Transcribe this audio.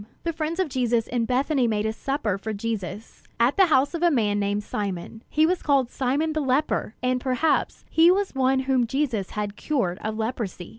The friends of Jesus in Bethany made a supper for Jesus, at the house of a man named Simon. He was called "Simon the leper"; and perhaps he was one whom Jesus had cured of leprosy.